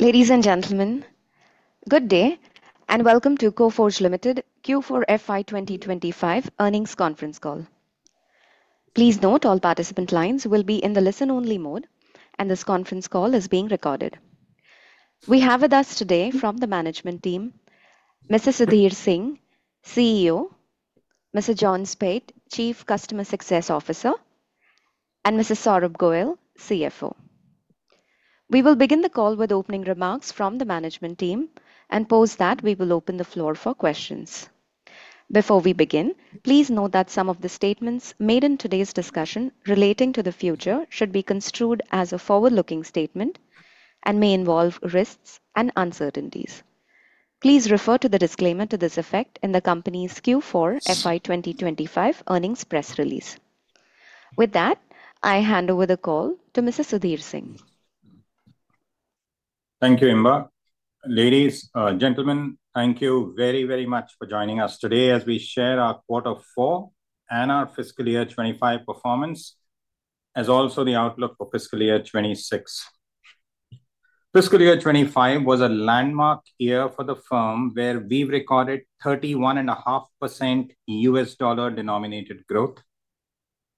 Ladies and gentlemen, good day, and welcome to Coforge Limited Q4FY 2025 earnings conference call. Please note all participant lines will be in the listen-only mode, and this conference call is being recorded. We have with us today from the management team, Mr. Sudhir Singh, CEO; Mr. John Speight, Chief Customer Success Officer; and Mr. Saurabh Goel, CFO. We will begin the call with opening remarks from the management team and post that we will open the floor for questions. Before we begin, please note that some of the statements made in today's discussion relating to the future should be construed as a forward-looking statement and may involve risks and uncertainties. Please refer to the disclaimer to this effect in the company's Q4FY 2025 earnings press release. With that, I hand over the call to Mr. Sudhir Singh. Thank you, Inba. Ladies, gentlemen, thank you very, very much for joining us today as we share our quarter four and our fiscal year 2025 performance, as also the outlook for fiscal year 2026. Fiscal year 2025 was a landmark year for the firm where we recorded 31.5% US dollar denominated growth.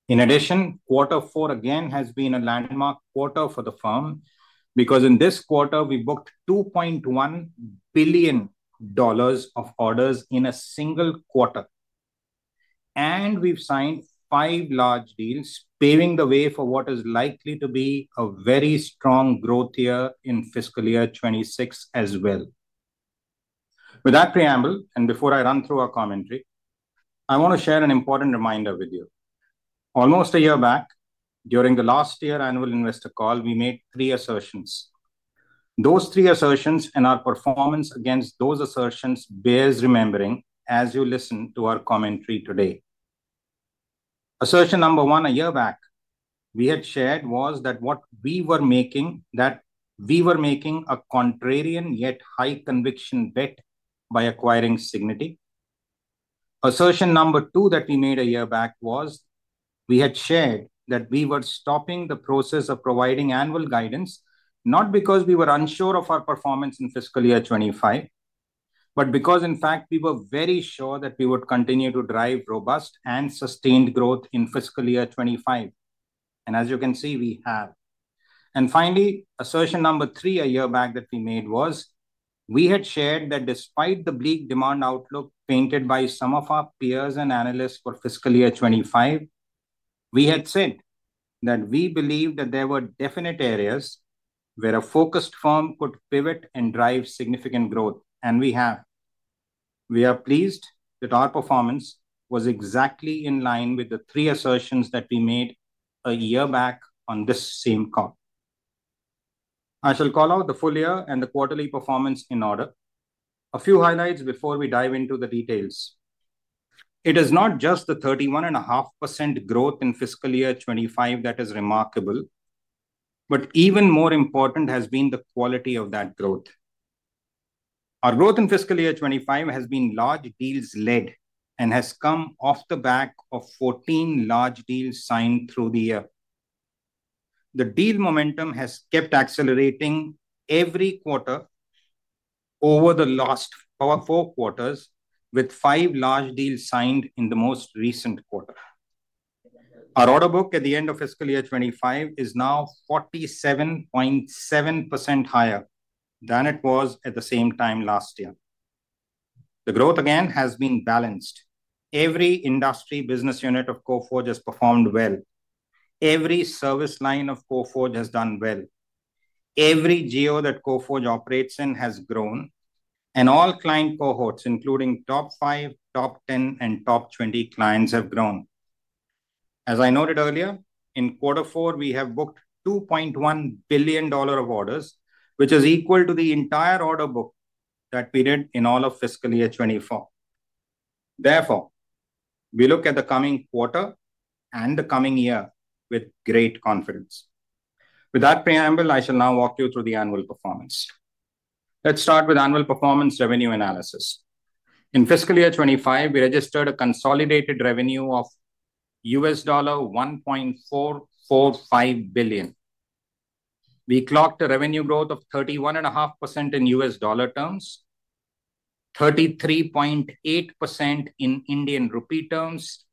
In addition, quarter four again has been a landmark quarter for the firm because in this quarter we booked $2.1 billion of orders in a single quarter, and we've signed five large deals paving the way for what is likely to be a very strong growth year in fiscal year 2026 as well. With that preamble, and before I run through our commentary, I want to share an important reminder with you. Almost a year back, during the last year annual investor call, we made three assertions. Those three assertions and our performance against those assertions bears remembering as you listen to our commentary today. Assertion number one a year back we had shared was that what we were making, that we were making a contrarian yet high conviction bet by acquiring Cigniti. Assertion number two that we made a year back was we had shared that we were stopping the process of providing annual guidance not because we were unsure of our performance in fiscal year 2025, but because in fact we were very sure that we would continue to drive robust and sustained growth in fiscal year 2025. As you can see, we have. Finally, assertion number three a year back that we made was we had shared that despite the bleak demand outlook painted by some of our peers and analysts for fiscal year 2025, we had said that we believe that there were definite areas where a focused firm could pivot and drive significant growth, and we have. We are pleased that our performance was exactly in line with the three assertions that we made a year back on this same call. I shall call out the full year and the quarterly performance in order. A few highlights before we dive into the details. It is not just the 31.5% growth in fiscal year 2025 that is remarkable, but even more important has been the quality of that growth. Our growth in fiscal year 2025 has been large deals led and has come off the back of 14 large deals signed through the year. The deal momentum has kept accelerating every quarter over the last four quarters with five large deals signed in the most recent quarter. Our order book at the end of fiscal year 2025 is now 47.7% higher than it was at the same time last year. The growth again has been balanced. Every industry business unit of Coforge has performed well. Every service line of Coforge has done well. Every geo that Coforge operates in has grown, and all client cohorts, including top five, top ten, and top 20 clients have grown. As I noted earlier, in quarter four, we have booked $2.1 billion of orders, which is equal to the entire order book that we did in all of fiscal year 2024. Therefore, we look at the coming quarter and the coming year with great confidence. With that preamble, I shall now walk you through the annual performance. Let's start with annual performance revenue analysis. In fiscal year 2025, we registered a consolidated revenue of $1.445 billion. We clocked a revenue growth of 31.5% in US dollar terms, 33.8% in Indian rupee terms,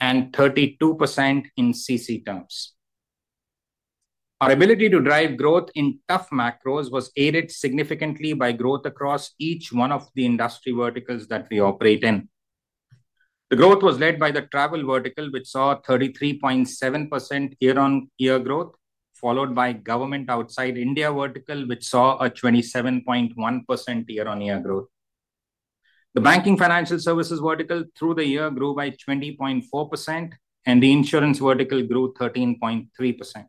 and 32% in CC terms. Our ability to drive growth in tough macros was aided significantly by growth across each one of the industry verticals that we operate in. The growth was led by the travel vertical, which saw 33.7% year-on-year growth, followed by government outside India vertical, which saw a 27.1% year-on-year growth. The banking financial services vertical through the year grew by 20.4%, and the insurance vertical grew 13.3%.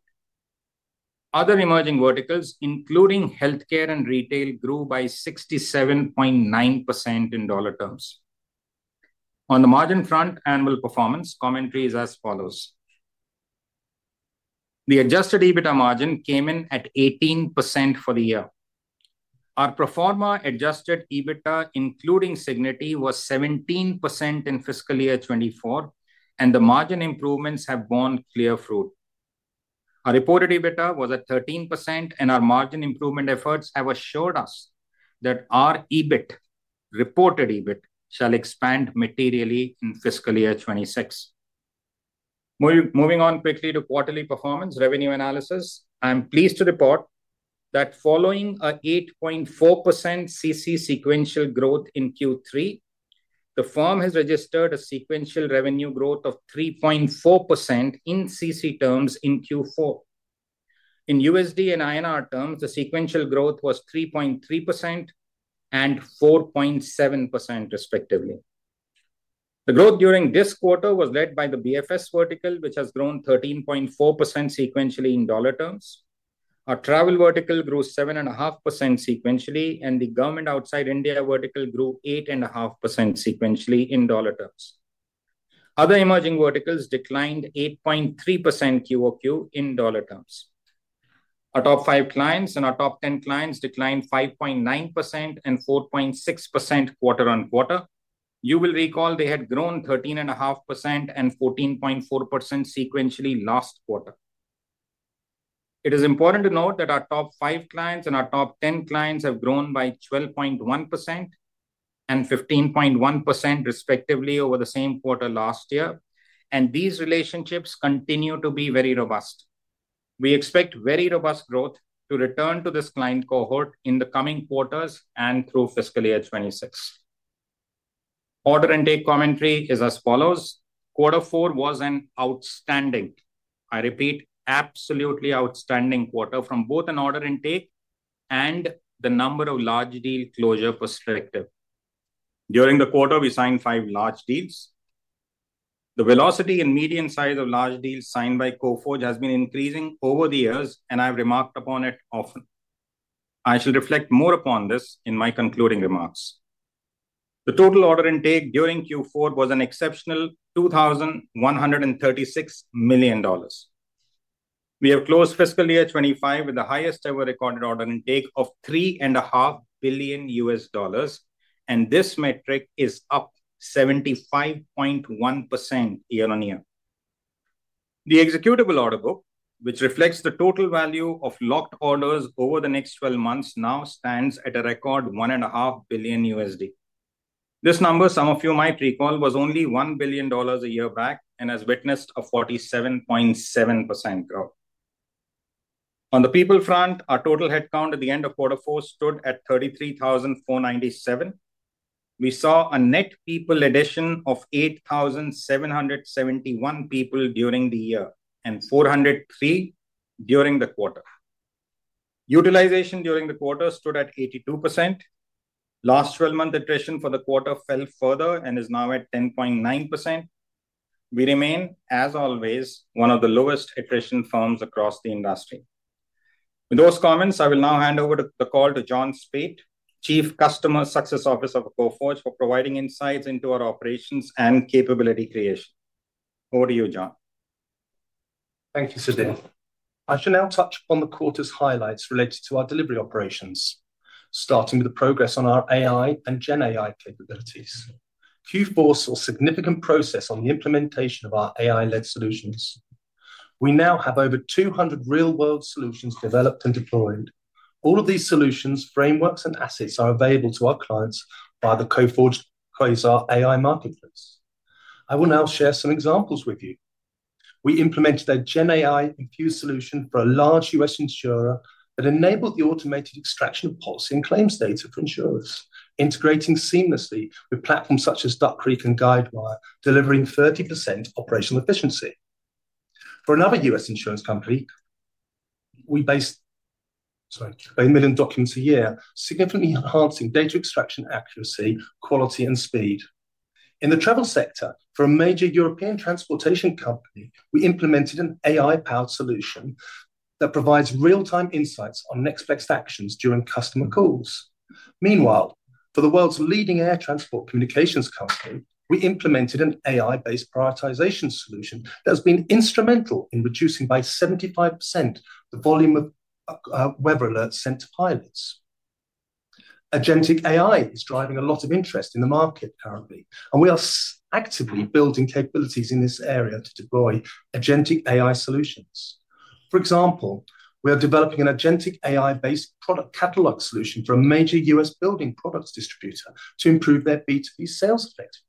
Other emerging verticals, including healthcare and retail, grew by 67.9% in dollar terms. On the margin front, annual performance commentary is as follows. The adjusted EBITDA margin came in at 18% for the year. Our proforma adjusted EBITDA, including Cignity, was 17% in fiscal year 2024, and the margin improvements have borne clear fruit. Our reported EBITDA was at 13%, and our margin improvement efforts have assured us that our EBIT, reported EBIT, shall expand materially in fiscal year 2026. Moving on quickly to quarterly performance revenue analysis, I'm pleased to report that following an 8.4% CC sequential growth in Q3, the firm has registered a sequential revenue growth of 3.4% in CC terms in Q4. In USD and INR terms, the sequential growth was 3.3% and 4.7%, respectively. The growth during this quarter was led by the BFS vertical, which has grown 13.4% sequentially in dollar terms. Our travel vertical grew 7.5% sequentially, and the government outside India vertical grew 8.5% sequentially in dollar terms. Other emerging verticals declined 8.3% QOQ in dollar terms. Our top five clients and our top ten clients declined 5.9% and 4.6% quarter on quarter. You will recall they had grown 13.5% and 14.4% sequentially last quarter. It is important to note that our top five clients and our top ten clients have grown by 12.1% and 15.1%, respectively, over the same quarter last year, and these relationships continue to be very robust. We expect very robust growth to return to this client cohort in the coming quarters and through fiscal year 2026. Order intake commentary is as follows. Quarter four was an outstanding, I repeat, absolutely outstanding quarter from both an order intake and the number of large deal closure perspective. During the quarter, we signed five large deals. The velocity and median size of large deals signed by Coforge has been increasing over the years, and I've remarked upon it often. I shall reflect more upon this in my concluding remarks. The total order intake during Q4 was an exceptional $2,136 million. We have closed fiscal year 2025 with the highest ever recorded order intake of $3.5 billion, and this metric is up 75.1% year on year. The executable order book, which reflects the total value of locked orders over the next 12 months, now stands at a record $1.5 billion. This number, some of you might recall, was only $1 billion a year back and has witnessed a 47.7% growth. On the people front, our total headcount at the end of quarter four stood at 33,497. We saw a net people addition of 8,771 people during the year and 403 during the quarter. Utilization during the quarter stood at 82%. Last 12-month attrition for the quarter fell further and is now at 10.9%. We remain, as always, one of the lowest iteration firms across the industry. With those comments, I will now hand over the call to John Speight, Chief Customer Success Officer of Coforge, for providing insights into our operations and capability creation. Over to you, John. Thank you, Sudhir. I shall now touch on the quarter's highlights related to our delivery operations, starting with the progress on our AI and GenAI capabilities. Q4 saw significant progress on the implementation of our AI-led solutions. We now have over 200 real-world solutions developed and deployed. All of these solutions, frameworks, and assets are available to our clients via the Coforge Quasar AI Marketplace. I will now share some examples with you. We implemented a GenAI-infused solution for a large US insurer that enabled the automated extraction of policy and claims data for insurers, integrating seamlessly with platforms such as Duck Creek and Guidewire, delivering 30% operational efficiency. For another US insurance company, we documents a year, significantly enhancing data extraction accuracy, quality, and speed. In the travel sector, for a major European transportation company, we implemented an AI-powered solution that provides real-time insights on Next Best Actions during customer calls. Meanwhile, for the world's leading air transport communications company, we implemented an AI-based prioritization solution that has been instrumental in reducing by 75% the volume of weather alerts sent to pilots. Agentic AI is driving a lot of interest in the market currently, and we are actively building capabilities in this area to deploy agentic AI solutions. For example, we are developing an agentic AI-based product catalog solution for a major US building products distributor to improve their B2B sales effectiveness.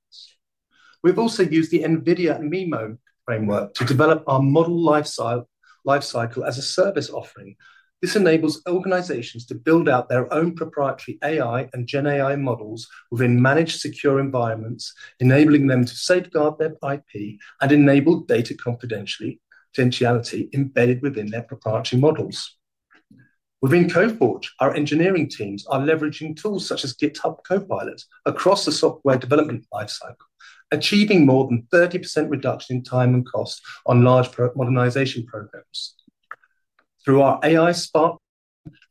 We've also used the NVIDIA NeMo framework to develop our model lifecycle as a service offering. This enables organizations to build out their own proprietary AI and GenAI models within managed secure environments, enabling them to safeguard their IP and enable data confidentiality embedded within their proprietary models. Within Coforge, our engineering teams are leveraging tools such as GitHub Copilot across the software development lifecycle, achieving more than 30% reduction in time and cost on large modernization programs. Through our AI Spark,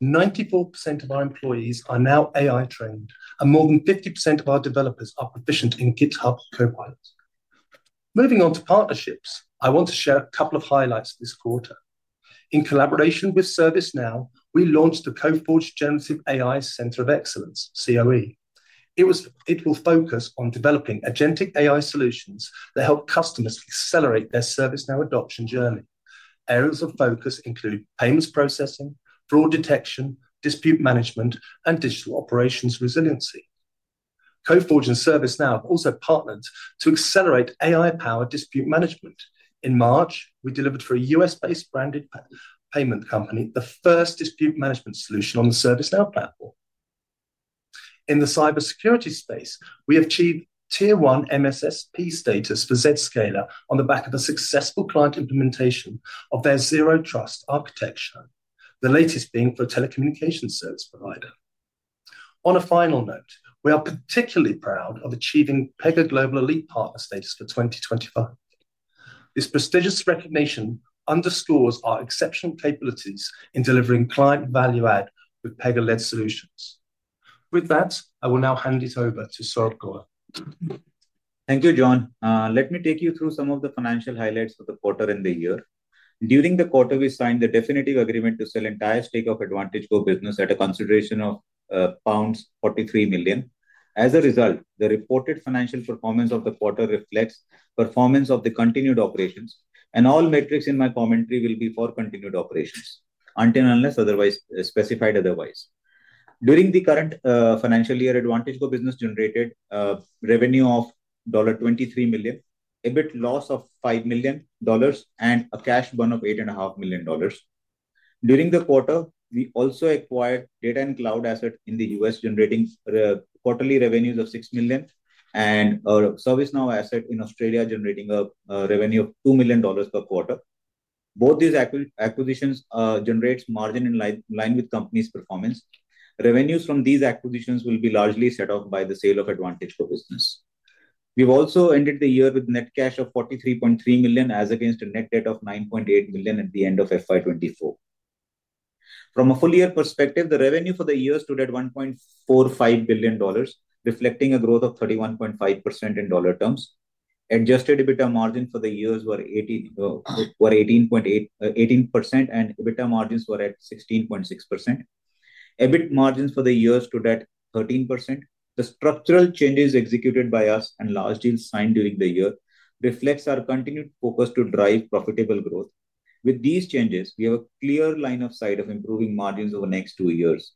94% of our employees are now AI-trained, and more than 50% of our developers are proficient in GitHub Copilot. Moving on to partnerships, I want to share a couple of highlights this quarter. In collaboration with ServiceNow, we launched the Coforge Generative AI Center of Excellence, COE. It will focus on developing agentic AI solutions that help customers accelerate their ServiceNow adoption journey. Areas of focus include payments processing, fraud detection, dispute management, and digital operations resiliency. Coforge and ServiceNow have also partnered to accelerate AI-powered dispute management. In March, we delivered for a US-based branded payment company the first dispute management solution on the ServiceNow platform. In the cybersecurity space, we have achieved tier one MSSP status for Zscaler on the back of a successful client implementation of their Zero Trust architecture, the latest being for a telecommunications service provider. On a final note, we are particularly proud of achieving Pega Global Elite Partner status for 2025. This prestigious recognition underscores our exceptional capabilities in delivering client value-add with Pega-led solutions. With that, I will now hand it over to Saurabh Goel. Thank you, John. Let me take you through some of the financial highlights for the quarter and the year. During the quarter, we signed the definitive agreement to sell entire stake of AdvantageGo business at a consideration of pounds 43 million. As a result, the reported financial performance of the quarter reflects performance of the continued operations, and all metrics in my commentary will be for continued operations, unless otherwise specified. During the current financial year, AdvantageGo business generated revenue of $23 million, EBIT loss of $5 million, and a cash burn of $8.5 million. During the quarter, we also acquired data and cloud asset in the US, generating quarterly revenues of $6 million, and our ServiceNow asset in Australia generating a revenue of 2 million dollars per quarter. Both these acquisitions generate margin in line with company's performance. Revenues from these acquisitions will be largely set off by the sale of AdvantageGo business. We've also ended the year with net cash of $43.3 million, as against a net debt of $9.8 million at the end of FY2024. From a full-year perspective, the revenue for the year stood at $1.45 billion, reflecting a growth of 31.5% in dollar terms. Adjusted EBITDA margin for the year was 18%, and EBITDA margins were at 16.6%. EBIT margins for the year stood at 13%. The structural changes executed by us and large deals signed during the year reflect our continued focus to drive profitable growth. With these changes, we have a clear line of sight of improving margins over the next two years.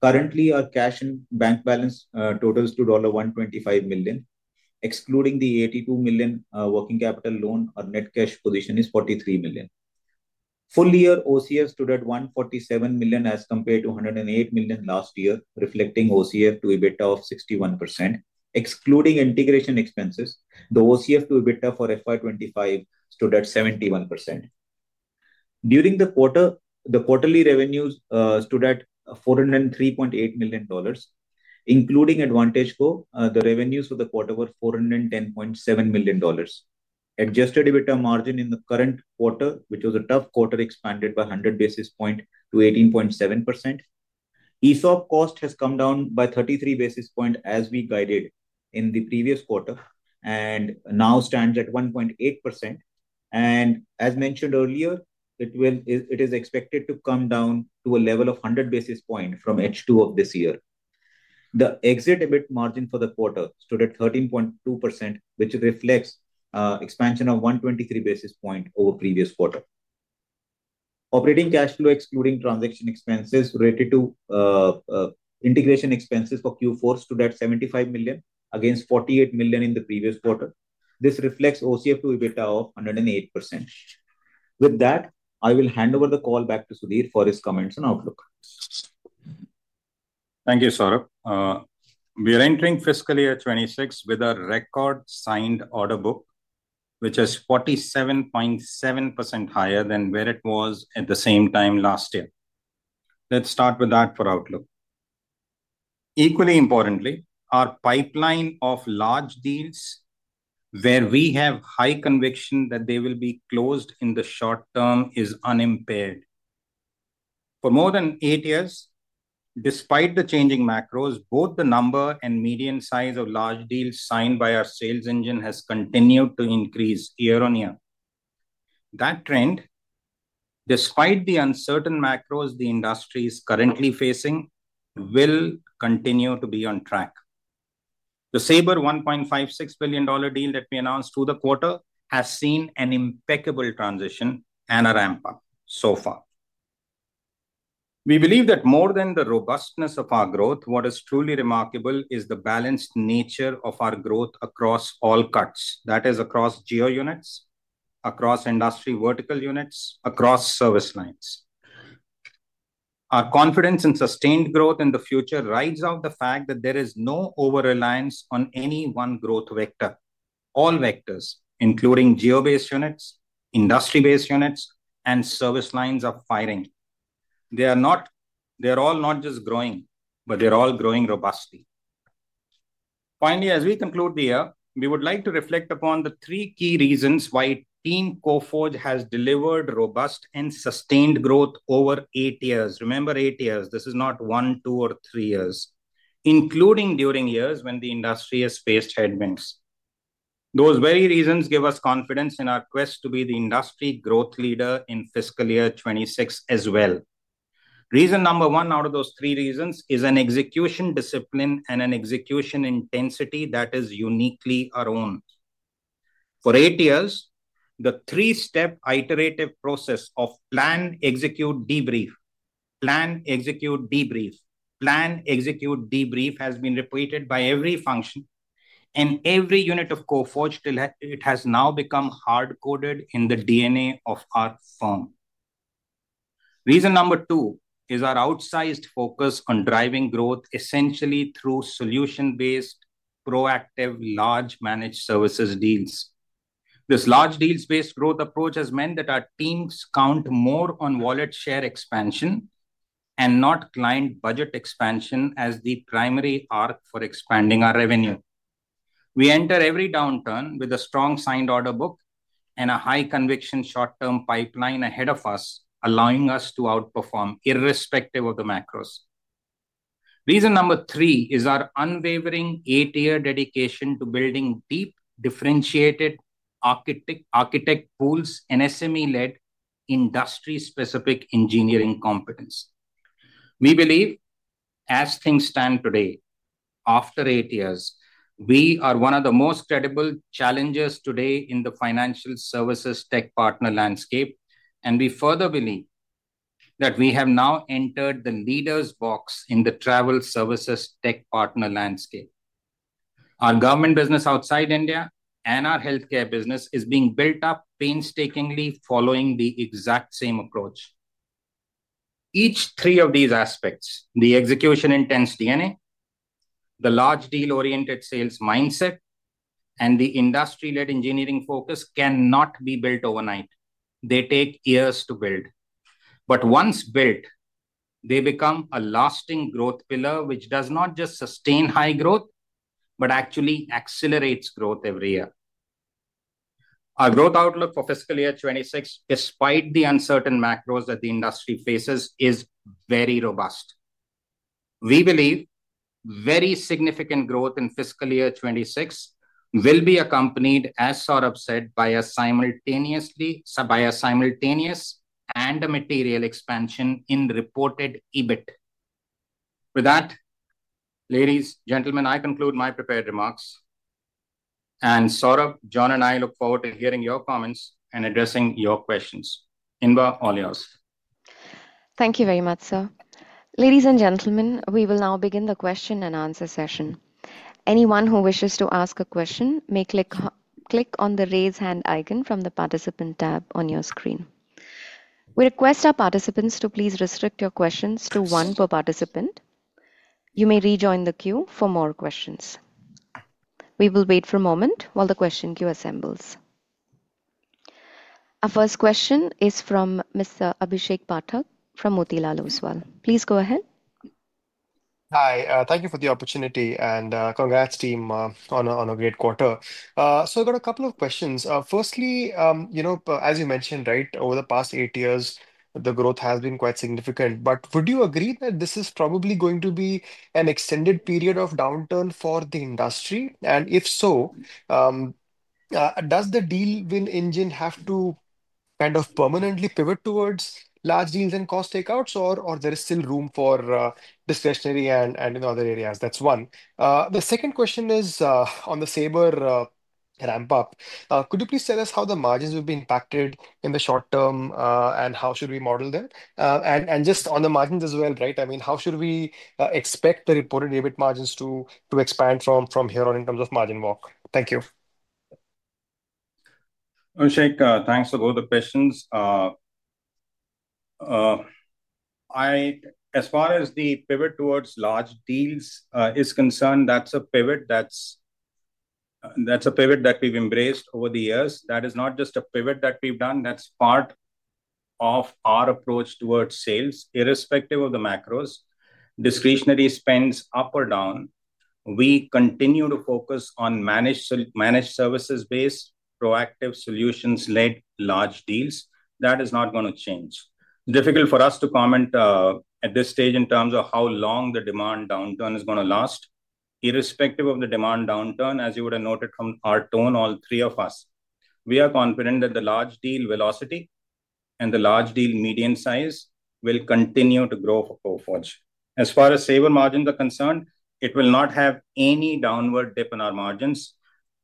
Currently, our cash and bank balance totals to $125 million. Excluding the $82 million working capital loan, our net cash position is $43 million. Full-year OCF stood at $147 million as compared to $108 million last year, reflecting OCF to EBITDA of 61%. Excluding integration expenses, the OCF to EBITDA for FY25 stood at 71%. During the quarter, the quarterly revenues stood at $403.8 million. Including AdvantageGo, the revenues for the quarter were $410.7 million. Adjusted EBITDA margin in the current quarter, which was a tough quarter, expanded by 100 basis points to 18.7%. ESOP cost has come down by 33 basis points, as we guided in the previous quarter, and now stands at 1.8%. As mentioned earlier, it is expected to come down to a level of 100 basis points from H2 of this year. The exit EBIT margin for the quarter stood at 13.2%, which reflects an expansion of 123 basis points over the previous quarter. Operating cash flow, excluding transaction expenses related to integration expenses for Q4, stood at $75 million against $48 million in the previous quarter. This reflects OCF to EBITDA of 108%. With that, I will hand over the call back to Sudhir for his comments and outlook. Thank you, Saurabh. We are entering fiscal year 2026 with a record signed order book, which is 47.7% higher than where it was at the same time last year. Let's start with that for outlook. Equally importantly, our pipeline of large deals, where we have high conviction that they will be closed in the short term, is unimpaired. For more than eight years, despite the changing macros, both the number and median size of large deals signed by our sales engine has continued to increase year on year. That trend, despite the uncertain macros the industry is currently facing, will continue to be on track. The Sabre $1.56 billion deal that we announced through the quarter has seen an impeccable transition and a ramp-up so far. We believe that more than the robustness of our growth, what is truly remarkable is the balanced nature of our growth across all cuts, that is, across geo units, across industry vertical units, across service lines. Our confidence in sustained growth in the future rides off the fact that there is no over-reliance on any one growth vector. All vectors, including geo-based units, industry-based units, and service lines, are firing. They are all not just growing, but they're all growing robustly. Finally, as we conclude the year, we would like to reflect upon the three key reasons why Team Coforge has delivered robust and sustained growth over eight years. Remember, eight years, this is not one, two, or three years, including during years when the industry has faced headwinds. Those very reasons give us confidence in our quest to be the industry growth leader in fiscal year 2026 as well. Reason number one out of those three reasons is an execution discipline and an execution intensity that is uniquely our own. For eight years, the three-step iterative process of plan, execute, debrief, plan, execute, debrief, plan, execute, debrief has been repeated by every function and every unit of Coforge. It has now become hard-coded in the DNA of our firm. Reason number two is our outsized focus on driving growth essentially through solution-based, proactive, large managed services deals. This large deals-based growth approach has meant that our teams count more on wallet share expansion and not client budget expansion as the primary arc for expanding our revenue. We enter every downturn with a strong signed order book and a high-conviction short-term pipeline ahead of us, allowing us to outperform irrespective of the macros. Reason number three is our unwavering eight-year dedication to building deep, differentiated architect pools and SME-led industry-specific engineering competence. We believe, as things stand today, after eight years, we are one of the most credible challengers today in the financial services tech partner landscape, and we further believe that we have now entered the leaders' box in the travel services tech partner landscape. Our government business outside India and our healthcare business is being built up painstakingly following the exact same approach. Each three of these aspects, the execution-intense DNA, the large-deal-oriented sales mindset, and the industry-led engineering focus cannot be built overnight. They take years to build. Once built, they become a lasting growth pillar which does not just sustain high growth, but actually accelerates growth every year. Our growth outlook for fiscal year 2026, despite the uncertain macros that the industry faces, is very robust. We believe very significant growth in fiscal year 2026 will be accompanied, as Saurabh said, by a simultaneous and a material expansion in reported EBIT. With that, ladies, gentlemen, I conclude my prepared remarks. Saurabh, John, and I look forward to hearing your comments and addressing your questions. Inba, all yours. Thank you very much, sir. Ladies and gentlemen, we will now begin the question and answer session. Anyone who wishes to ask a question may click on the raise hand icon from the participant tab on your screen. We request our participants to please restrict your questions to one per participant. You may rejoin the queue for more questions. We will wait for a moment while the question queue assembles. Our first question is from Mr. Abhishek Pathak from Motilal Oswal. Please go ahead. Hi. Thank you for the opportunity, and congrats, team, on a great quarter. I have got a couple of questions. Firstly, as you mentioned, right, over the past eight years, the growth has been quite significant. Would you agree that this is probably going to be an extended period of downturn for the industry? If so, does the deal win engine have to kind of permanently pivot towards large deals and cost takeouts, or is there still room for discretionary and in other areas? That is one. The second question is on the Sabre ramp-up. Could you please tell us how the margins will be impacted in the short term, and how should we model them? Just on the margins as well, right? I mean, how should we expect the reported EBIT margins to expand from here on in terms of margin walk? Thank you. Abhishek, thanks for both the questions. As far as the pivot towards large deals is concerned, that's a pivot that we've embraced over the years. That is not just a pivot that we've done. That's part of our approach towards sales, irrespective of the macros. Discretionary spends up or down, we continue to focus on managed services-based, proactive solutions-led large deals. That is not going to change. It's difficult for us to comment at this stage in terms of how long the demand downturn is going to last. Irrespective of the demand downturn, as you would have noted from our tone, all three of us, we are confident that the large deal velocity and the large deal median size will continue to grow for Coforge. As far as Sabre margins are concerned, it will not have any downward dip in our margins.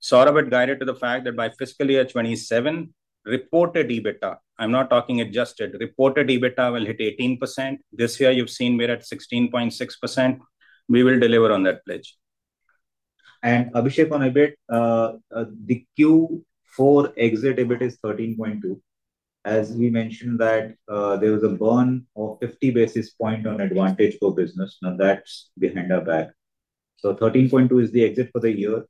Saurabh had guided to the fact that by fiscal year 2027, reported EBITDA, I'm not talking adjusted, reported EBITDA will hit 18%. This year, you've seen we're at 16.6%. We will deliver on that pledge. Abhishek, on EBIT, the Q4 exit EBIT is 13.2%. As we mentioned, there was a burn of 50 basis points on AdvantageGo business. Now, that's behind our back. 13.2% is the exit for the year.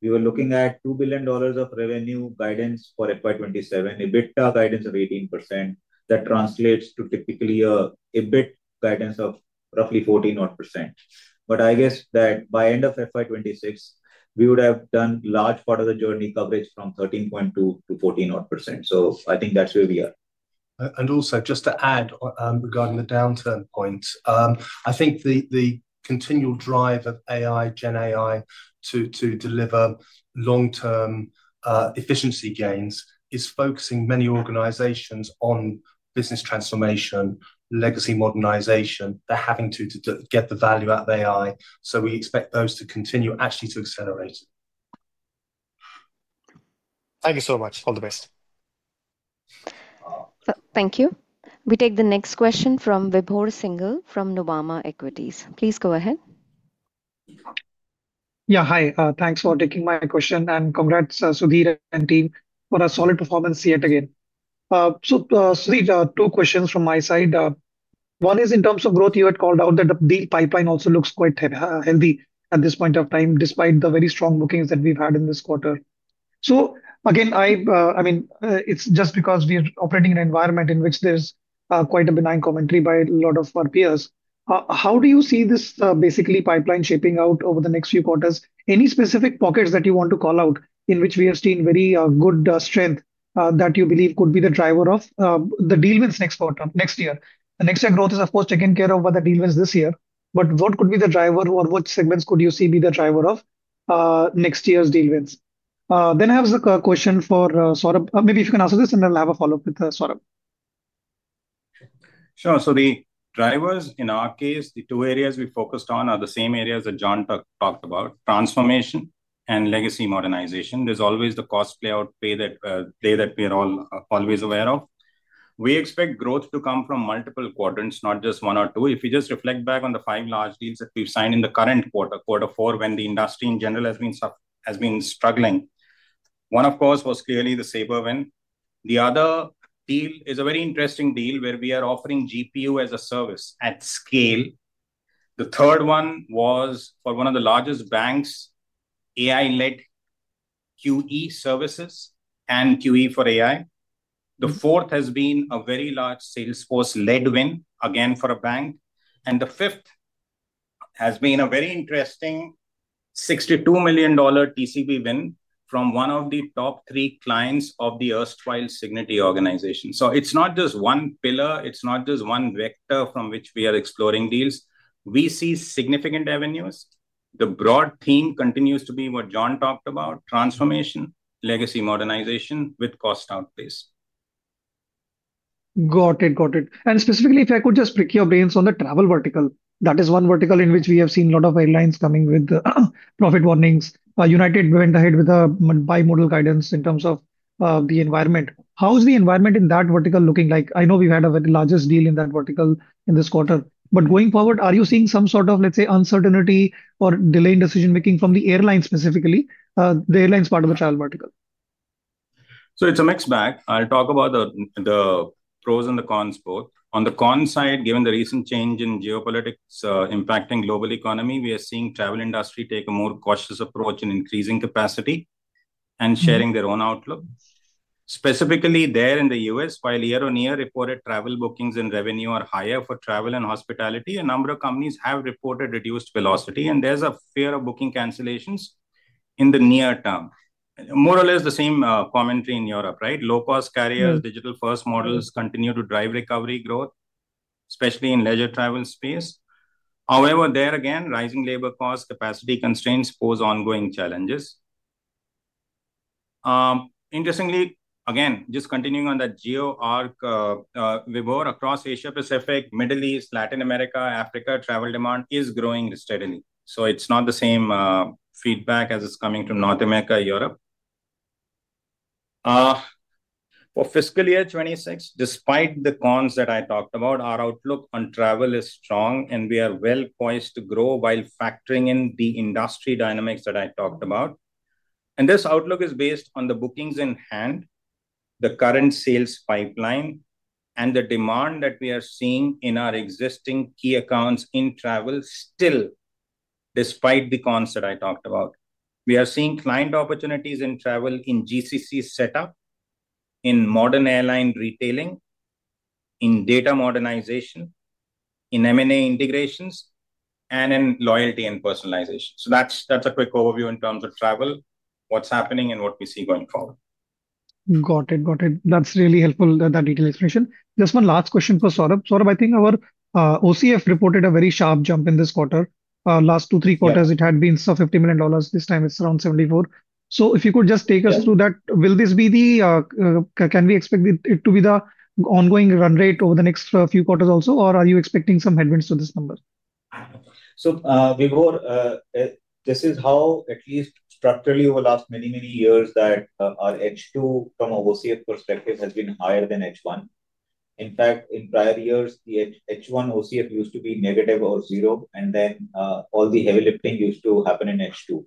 We were looking at $2 billion of revenue guidance for FY2027, EBITDA guidance of 18%. That translates to typically an EBIT guidance of roughly 14%. I guess that by end of FY2026, we would have done a large part of the journey coverage from 13.2% to 14%. I think that's where we are. Just to add regarding the downturn points, I think the continual drive of AI, GenAI, to deliver long-term efficiency gains is focusing many organizations on business transformation, legacy modernization. They are having to get the value out of AI. I expect those to continue actually to accelerate. Thank you so much. All the best. Thank you. We take the next question from Vibhor Singhal from Nuvama Institutional Equities. Please go ahead. Yeah, hi. Thanks for taking my question. Congrats, Sudhir and team, for a solid performance yet again. Sudhir, two questions from my side. One is in terms of growth, you had called out that the deal pipeline also looks quite healthy at this point of time, despite the very strong bookings that we've had in this quarter. I mean, it's just because we are operating in an environment in which there's quite a benign commentary by a lot of our peers. How do you see this basically pipeline shaping out over the next few quarters? Any specific pockets that you want to call out in which we have seen very good strength that you believe could be the driver of the deal wins next quarter, next year? The next year growth is, of course, taking care of what the deal wins this year. What could be the driver, or what segments could you see be the driver of next year's deal wins? I have a question for Saurabh. Maybe if you can answer this, and then I'll have a follow-up with Saurabh. Sure. The drivers, in our case, the two areas we focused on are the same areas that John talked about: transformation and legacy modernization. There is always the cost play out play that we are all always aware of. We expect growth to come from multiple quadrants, not just one or two. If you just reflect back on the five large deals that we have signed in the current quarter, quarter four, when the industry in general has been struggling, one, of course, was clearly the Sabre win. The other deal is a very interesting deal where we are offering GPU as a service at scale. The third one was for one of the largest banks, AI-led QE services and QE for AI. The fourth has been a very large Salesforce-led win, again, for a bank. The fifth has been a very interesting $62 million TCV win from one of the top three clients of the erstwhile Cignity organization. It is not just one pillar. It is not just one vector from which we are exploring deals. We see significant avenues. The broad theme continues to be what John talked about: transformation, legacy modernization with cost outlays. Got it. Got it. Specifically, if I could just pick your brains on the travel vertical, that is one vertical in which we have seen a lot of airlines coming with profit warnings. United went ahead with a bimodal guidance in terms of the environment. How is the environment in that vertical looking like? I know we've had a very large deal in that vertical in this quarter. Going forward, are you seeing some sort of, let's say, uncertainty or delay in decision-making from the airlines specifically, the airlines part of the travel vertical? It's a mixed bag. I'll talk about the pros and the cons both. On the con side, given the recent change in geopolitics impacting the global economy, we are seeing the travel industry take a more cautious approach in increasing capacity and sharing their own outlook. Specifically, there in the U.S., while year-on-year reported travel bookings and revenue are higher for travel and hospitality, a number of companies have reported reduced velocity. There's a fear of booking cancellations in the near term. More or less the same commentary in Europe, right? Low-cost carriers, digital-first models continue to drive recovery growth, especially in the leisure travel space. However, there again, rising labor costs, capacity constraints pose ongoing challenges. Interestingly, again, just continuing on that geo arc, Vibhor, across Asia-Pacific, Middle East, Latin America, Africa, travel demand is growing steadily. It is not the same feedback as it is coming to North America, Europe. For fiscal year 2026, despite the cons that I talked about, our outlook on travel is strong, and we are well poised to grow while factoring in the industry dynamics that I talked about. This outlook is based on the bookings in hand, the current sales pipeline, and the demand that we are seeing in our existing key accounts in travel still, despite the cons that I talked about. We are seeing client opportunities in travel in GCC setup, in modern airline retailing, in data modernization, in M&A integrations, and in loyalty and personalization. That is a quick overview in terms of travel, what is happening, and what we see going forward. Got it. Got it. That's really helpful, that detailed explanation. Just one last question for Saurabh. Saurabh, I think our OCF reported a very sharp jump in this quarter. Last two, three quarters, it had been $50 million. This time, it's around $74 million. If you could just take us through that, will this be the, can we expect it to be the ongoing run rate over the next few quarters also, or are you expecting some headwinds to this number? Vibhor, this is how, at least structurally, over the last many, many years that our H2 from OCF perspective has been higher than H1. In fact, in prior years, the H1 OCF used to be negative or zero, and then all the heavy lifting used to happen in H2.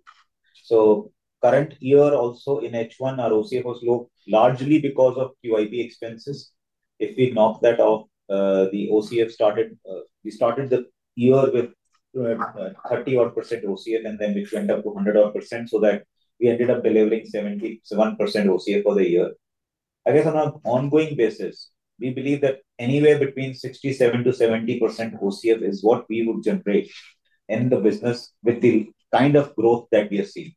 Current year, also in H1, our OCF was low, largely because of QIP expenses. If we knock that off, the OCF started the year with 30-odd % OCF, and then which went up to 100-odd %, so that we ended up delivering 71% OCF for the year. I guess on an ongoing basis, we believe that anywhere between 67%-70% OCF is what we would generate in the business with the kind of growth that we have seen.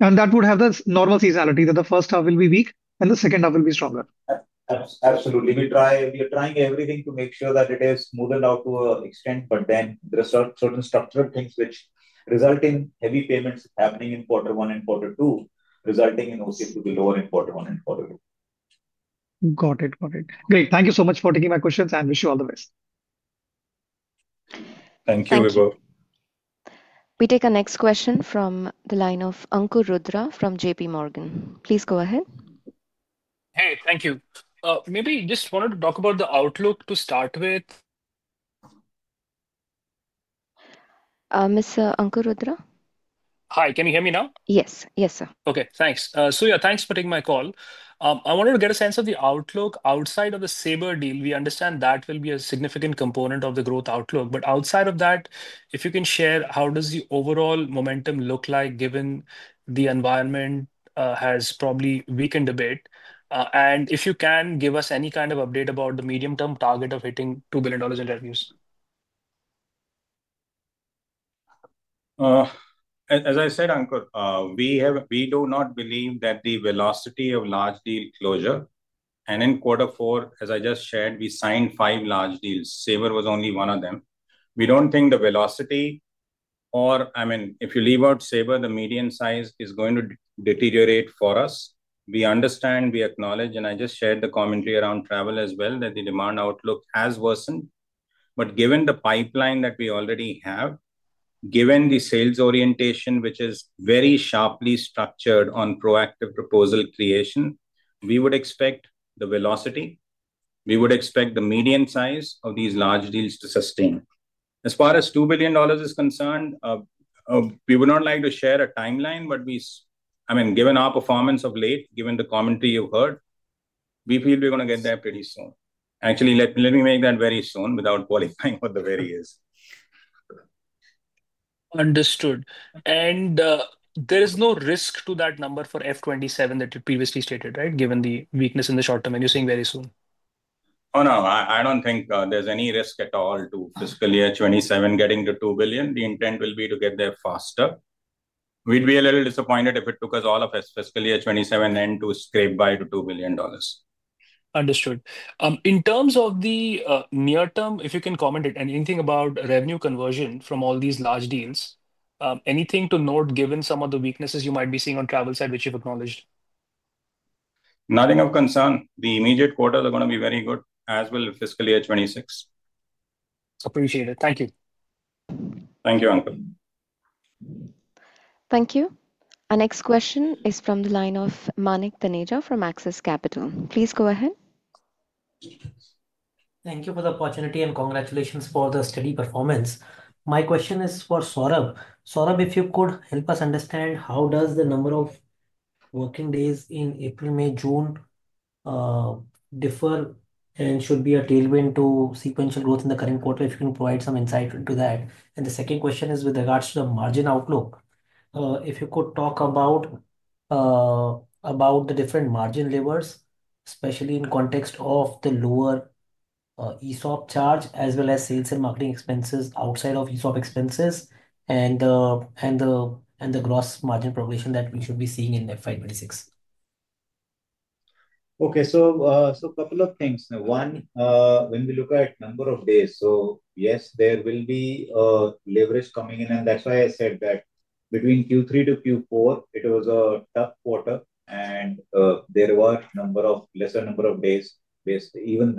That would have the normal seasonality that the first half will be weak and the second half will be stronger. Absolutely. We are trying everything to make sure that it is smoothened out to an extent, but then there are certain structured things which result in heavy payments happening in quarter one and quarter two, resulting in OCF to be lower in quarter one and quarter two. Got it. Got it. Great. Thank you so much for taking my questions, and wish you all the best. Thank you, Vibhor. We take a next question from the line of Ankur Rudra from JPMorgan. Please go ahead. Hey, thank you. Maybe just wanted to talk about the outlook to start with. Mr. Ankur Rudra? Hi. Can you hear me now? Yes. Yes, sir. Okay. Thanks. Saurabh, thanks for taking my call. I wanted to get a sense of the outlook outside of the Sabre deal. We understand that will be a significant component of the growth outlook. Outside of that, if you can share, how does the overall momentum look like given the environment has probably weakened a bit? If you can, give us any kind of update about the medium-term target of hitting $2 billion in revenues. As I said, Ankur, we do not believe that the velocity of large deal closure, and in quarter four, as I just shared, we signed five large deals. Sabre was only one of them. We do not think the velocity, or I mean, if you leave out Sabre, the median size is going to deteriorate for us. We understand, we acknowledge, and I just shared the commentary around travel as well, that the demand outlook has worsened. Given the pipeline that we already have, given the sales orientation, which is very sharply structured on proactive proposal creation, we would expect the velocity, we would expect the median size of these large deals to sustain. As far as $2 billion is concerned, we would not like to share a timeline, but I mean, given our performance of late, given the commentary you've heard, we feel we're going to get there pretty soon. Actually, let me make that very soon without qualifying what the very is. Understood. There is no risk to that number for F27 that you previously stated, right, given the weakness in the short term? You are saying very soon. Oh, no. I do not think there is any risk at all to fiscal year 2027 getting to $2 billion. The intent will be to get there faster. We would be a little disappointed if it took us all of fiscal year 2027 then to scrape by to $2 billion. Understood. In terms of the near term, if you can comment on anything about revenue conversion from all these large deals, anything to note given some of the weaknesses you might be seeing on travel side, which you've acknowledged? Nothing of concern. The immediate quarters are going to be very good, as will fiscal year 2026. Appreciate it. Thank you. Thank you, Ankur. Thank you. Our next question is from the line of Manik Taneja from Axis Capital. Please go ahead. Thank you for the opportunity and congratulations for the steady performance. My question is for Saurabh. Saurabh, if you could help us understand how does the number of working days in April, May, June differ and should be a tailwind to sequential growth in the current quarter, if you can provide some insight into that. The second question is with regards to the margin outlook. If you could talk about the different margin levers, especially in context of the lower ESOP charge as well as sales and marketing expenses outside of ESOP expenses and the gross margin progression that we should be seeing in FY2026. Okay. A couple of things. One, when we look at the number of days, yes, there will be leverage coming in. That is why I said that between Q3 to Q4, it was a tough quarter. There were a lesser number of days. Even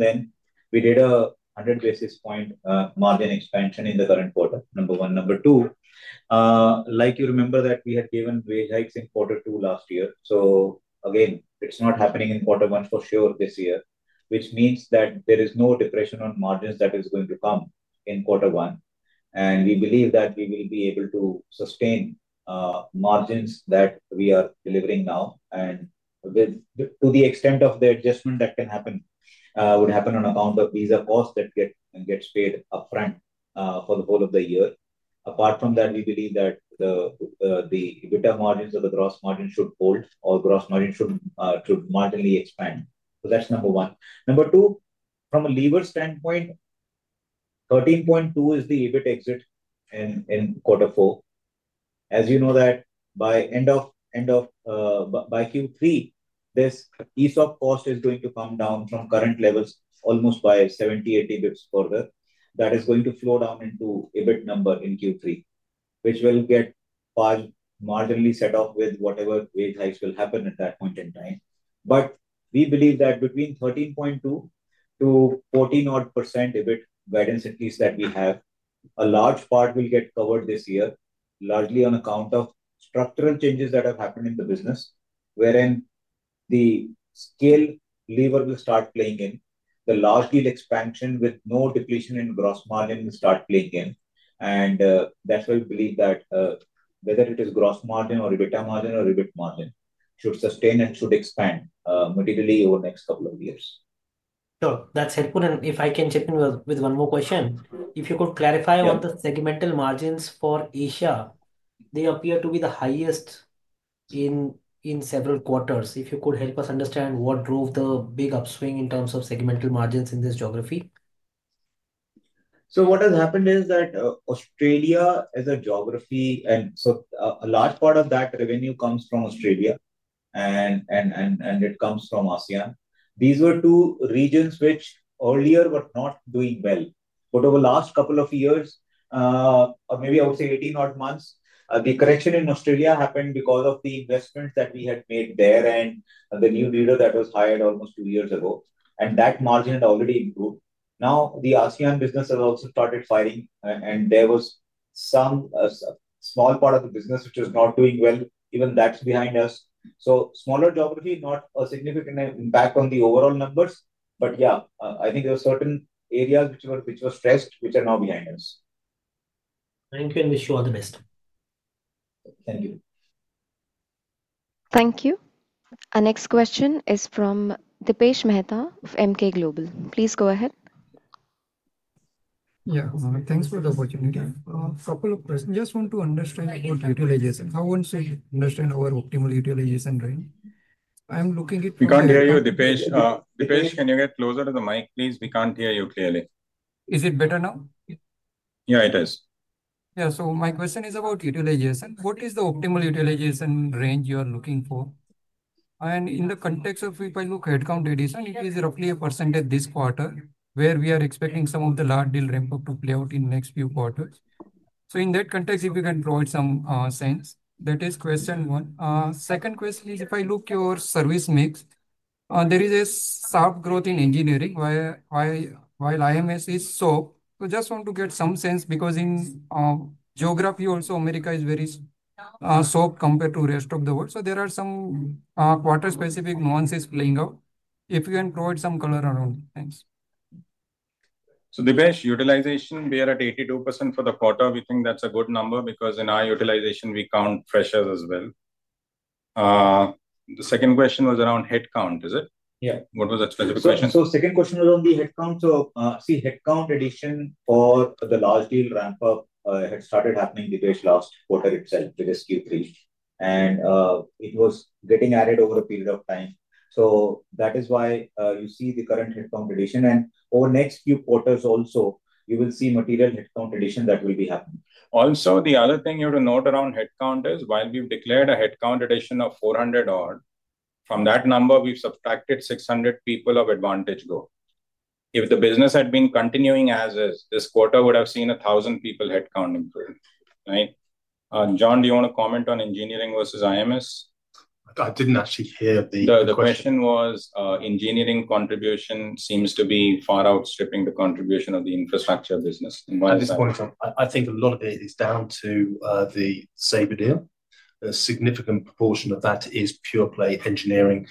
then, we did a 100 basis point margin expansion in the current quarter, number one. Number two, like you remember that we had given wage hikes in quarter two last year. Again, it is not happening in quarter one for sure this year, which means that there is no depression on margins that is going to come in quarter one. We believe that we will be able to sustain margins that we are delivering now. To the extent of the adjustment that can happen, it would happen on account of these costs that get paid upfront for the whole of the year. Apart from that, we believe that the EBITDA margins or the gross margin should hold, or gross margin should marginally expand. That is number one. Number two, from a leverage standpoint, 13.2% is the EBIT exit in quarter four. As you know, by Q3, this ESOP cost is going to come down from current levels almost by 70-80 basis points further. That is going to flow down into the EBIT number in Q3, which will get marginally set off with whatever wage hikes will happen at that point in time. We believe that between 13.2%-14% EBIT guidance, at least that we have, a large part will get covered this year, largely on account of structural changes that have happened in the business, wherein the scale lever will start playing in. The large deal expansion with no depletion in gross margin will start playing in. That is why we believe that whether it is gross margin or EBITDA margin or EBIT margin should sustain and should expand materially over the next couple of years. That's helpful. If I can chip in with one more question, if you could clarify what the segmental margins for Asia, they appear to be the highest in several quarters. If you could help us understand what drove the big upswing in terms of segmental margins in this geography. What has happened is that Australia as a geography, and a large part of that revenue comes from Australia, and it comes from ASEAN. These were two regions which earlier were not doing well. Over the last couple of years, or maybe I would say 18-odd months, the correction in Australia happened because of the investments that we had made there and the new leader that was hired almost two years ago. That margin had already improved. Now, the ASEAN business has also started firing, and there was some small part of the business which was not doing well. Even that's behind us. Smaller geography, not a significant impact on the overall numbers. Yeah, I think there were certain areas which were stressed, which are now behind us. Thank you. I wish you all the best. Thank you. Thank you. Our next question is from Dipesh Mehta of Emkay Global. Please go ahead. Yeah. Thanks for the opportunity. A couple of questions. Just want to understand your utilization. How would you understand our optimal utilization range? I'm looking at. We can't hear you, Dipesh. Dipesh, can you get closer to the mic, please? We can't hear you clearly. Is it better now? Yeah, it is. Yeah. So my question is about utilization. What is the optimal utilization range you are looking for? In the context of, if I look at headcount addition, it is roughly a percentage this quarter where we are expecting some of the large deal ramp-up to play out in the next few quarters. In that context, if you can provide some sense, that is question one. Second question is, if I look at your service mix, there is a sharp growth in engineering while IMS is soft. Just want to get some sense because in geography, also, America is very soft compared to the rest of the world. There are some quarter-specific nuances playing out. If you can provide some color around it, thanks. Dipesh, utilization, we are at 82% for the quarter. We think that's a good number because in our utilization, we count pressures as well. The second question was around headcount, is it? Yeah. What was that specific question? The second question was on the headcount. See, headcount addition for the large deal ramp-up had started happening, Dipesh, last quarter itself, which is Q3. It was getting added over a period of time. That is why you see the current headcount addition. Over the next few quarters also, you will see material headcount addition that will be happening. Also, the other thing you have to note around headcount is, while we've declared a headcount addition of 400-odd, from that number, we've subtracted 600 people of AdvantageGo. If the business had been continuing as is, this quarter would have seen 1,000 people headcount improvement, right? John, do you want to comment on engineering versus IMS? I didn't actually hear the. The question was engineering contribution seems to be far outstripping the contribution of the infrastructure business. At this point in time, I think a lot of it is down to the Sabre deal. A significant proportion of that is pure-play engineering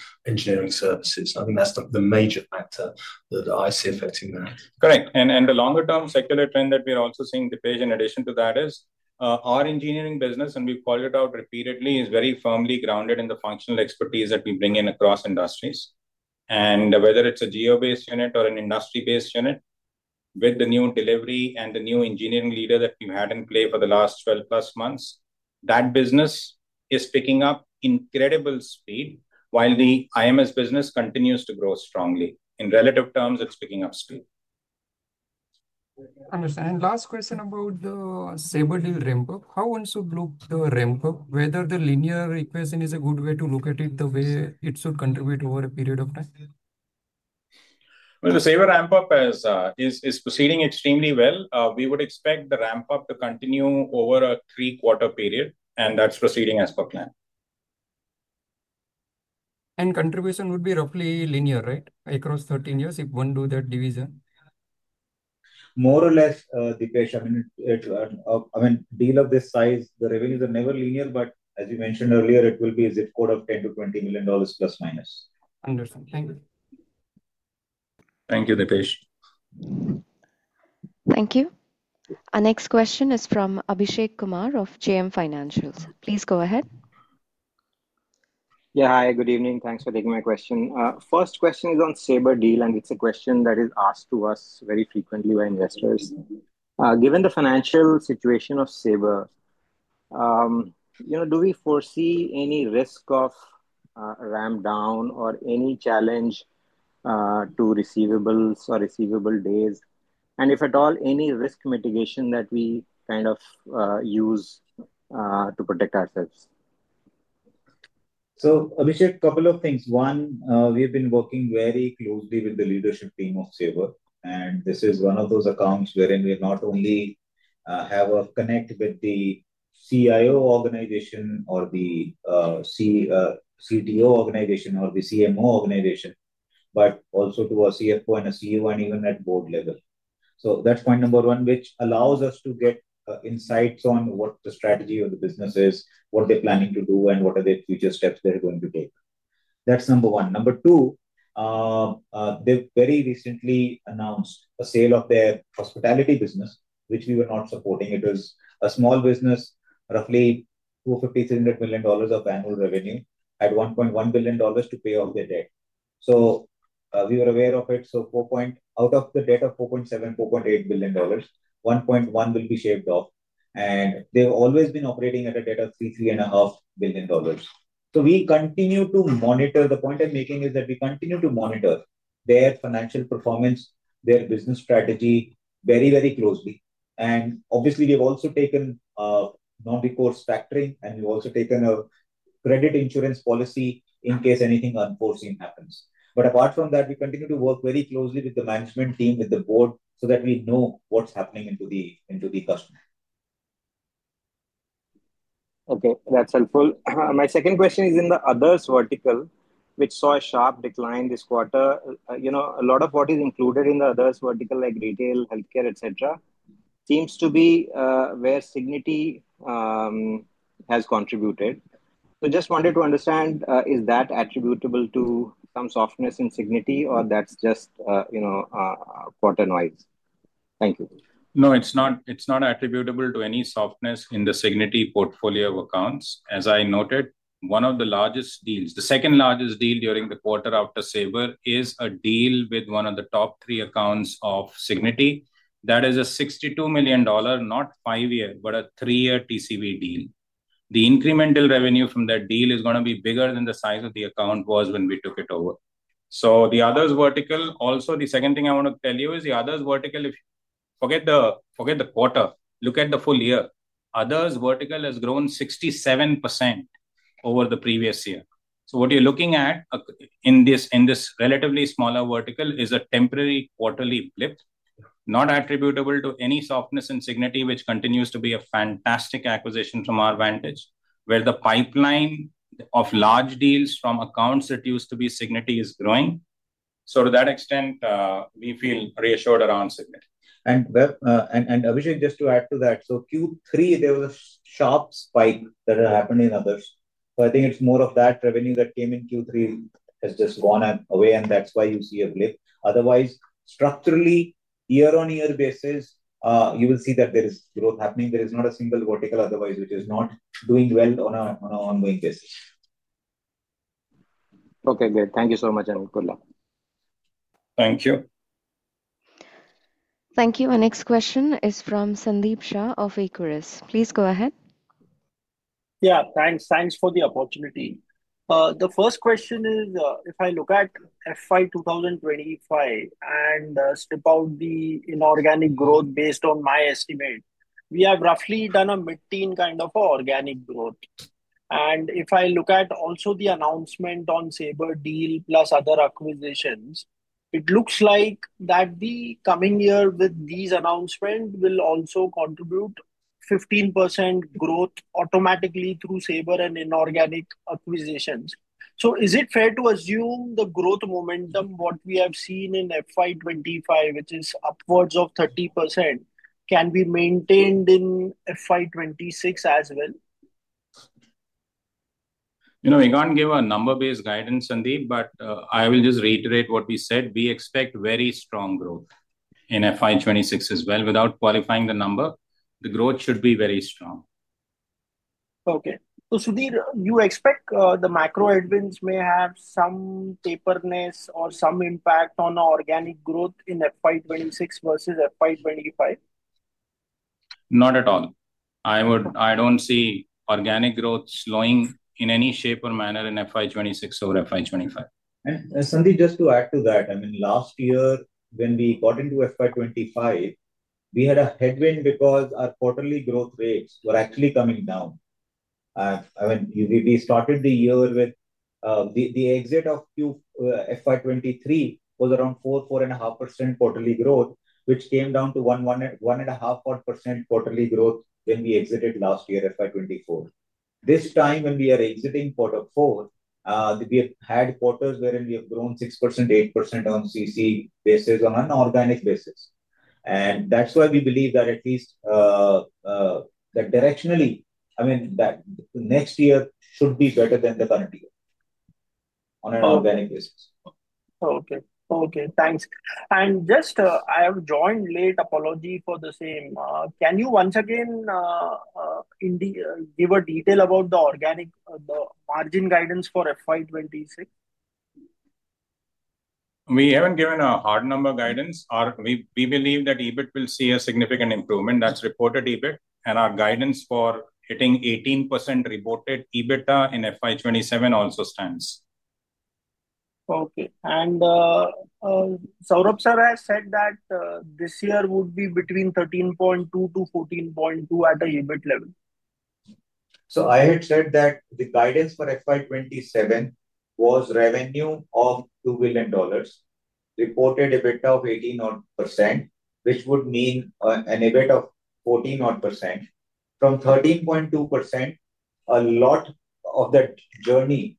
services. I think that's the major factor that I see affecting that. Correct. The longer-term secular trend that we are also seeing, Dipesh, in addition to that, is our engineering business, and we've called it out repeatedly, is very firmly grounded in the functional expertise that we bring in across industries. Whether it's a geo-based unit or an industry-based unit, with the new delivery and the new engineering leader that we've had in play for the last 12-plus months, that business is picking up incredible speed while the IMS business continues to grow strongly. In relative terms, it's picking up speed. Understand. Last question about the Sabre deal ramp-up. How would you look at the ramp-up? Whether the linear equation is a good way to look at it the way it should contribute over a period of time? The Sabre ramp-up is proceeding extremely well. We would expect the ramp-up to continue over a three-quarter period, and that's proceeding as per plan. Contribution would be roughly linear, right, across 13 years if one does that division? More or less, Dipesh, I mean, deal of this size, the revenues are never linear, but as you mentioned earlier, it will be a zip code of $10-$20 million plus-minus. Understood. Thank you. Thank you, Dipesh. Thank you. Our next question is from Abhishek Kumar of JM Financial. Please go ahead. Yeah. Hi. Good evening. Thanks for taking my question. First question is on Sabre deal, and it's a question that is asked to us very frequently by investors. Given the financial situation of Sabre, do we foresee any risk of ramp-down or any challenge to receivables or receivable days? If at all, any risk mitigation that we kind of use to protect ourselves? Abhishek, a couple of things. One, we have been working very closely with the leadership team of Sabre. This is one of those accounts wherein we not only have a connect with the CIO organization or the CTO organization or the CMO organization, but also to our CFO and our CEO and even at board level. That is point number one, which allows us to get insights on what the strategy of the business is, what they are planning to do, and what are the future steps they are going to take. That is number one. Number two, they have very recently announced a sale of their hospitality business, which we were not supporting. It was a small business, roughly $250 million-$300 million of annual revenue, had $1.1 billion to pay off their debt. We were aware of it. Out of the debt of $4.7 billion-$4.8 billion, $1.1 billion will be shaved off. They've always been operating at a debt of $3 billion-$3.5 billion. We continue to monitor. The point I'm making is that we continue to monitor their financial performance, their business strategy very, very closely. Obviously, we've also taken non-recourse factoring, and we've also taken a credit insurance policy in case anything unforeseen happens. Apart from that, we continue to work very closely with the management team, with the board, so that we know what's happening into the customer. Okay. That's helpful. My second question is in the others vertical, which saw a sharp decline this quarter. A lot of what is included in the others vertical, like retail, healthcare, etc., seems to be where Cignity has contributed. So just wanted to understand, is that attributable to some softness in Cignity, or that's just quarter-wise? Thank you. No, it's not attributable to any softness in the Cignity portfolio of accounts. As I noted, one of the largest deals, the second largest deal during the quarter after Sabre, is a deal with one of the top three accounts of Cignity. That is a $62 million, not five-year, but a three-year TCV deal. The incremental revenue from that deal is going to be bigger than the size of the account was when we took it over. The others vertical, also the second thing I want to tell you is the others vertical, if you forget the quarter, look at the full year. Others vertical has grown 67% over the previous year. What you're looking at in this relatively smaller vertical is a temporary quarterly blip, not attributable to any softness in Cignity, which continues to be a fantastic acquisition from our vantage, where the pipeline of large deals from accounts that used to be Cignity is growing. To that extent, we feel reassured around Cignity. Abhishek, just to add to that, Q3, there was a sharp spike that had happened in others. I think it's more of that revenue that came in Q3 has just gone away, and that's why you see a blip. Otherwise, structurally, year-on-year basis, you will see that there is growth happening. There is not a single vertical otherwise which is not doing well on an ongoing basis. Okay. Good. Thank you so much. Thank you. Thank you. Our next question is from Sandeep Shah of Equirus. Please go ahead. Yeah. Thanks for the opportunity. The first question is, if I look at FY 2025 and strip out the inorganic growth based on my estimate, we have roughly done a mid-teen kind of organic growth. If I look at also the announcement on Sabre deal plus other acquisitions, it looks like that the coming year with these announcements will also contribute 15% growth automatically through Sabre and inorganic acquisitions. Is it fair to assume the growth momentum, what we have seen in FY 2025, which is upwards of 30%, can be maintained in FY 2026 as well? You know, we can't give a number-based guidance, Sandeep, but I will just reiterate what we said. We expect very strong growth in FY 2026 as well. Without qualifying the number, the growth should be very strong. Okay. So Sudhir, you expect the macro admins may have some taperness or some impact on organic growth in FY 2026 versus FY 2025? Not at all. I do not see organic growth slowing in any shape or manner in FY 2026 over FY 2025. Sandeep, just to add to that, I mean, last year when we got into FY 2025, we had a headwind because our quarterly growth rates were actually coming down. I mean, we started the year with the exit of FY 2023 was around 4-4.5% quarterly growth, which came down to 1.5% quarterly growth when we exited last year, FY 2024. This time when we are exiting quarter four, we have had quarters wherein we have grown 6%, 8% on CC basis on an organic basis. That is why we believe that at least that directionally, I mean, next year should be better than the current year on an organic basis. Okay. Okay. Thanks. And just I have joined late. Apology for the same. Can you once again give a detail about the margin guidance for FY 2026? We have not given a hard number guidance. We believe that EBIT will see a significant improvement. That is reported EBIT. Our guidance for hitting 18% reported EBITDA in FY 2027 also stands. Okay. Saurabh sir has said that this year would be between 13.2%-14.2% at the EBIT level. I had said that the guidance for FY 2027 was revenue of $2 billion, reported EBITDA of 18%, which would mean an EBIT of 14%. From 13.2%, a lot of that journey